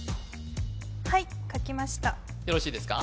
はい書きましたよろしいですか？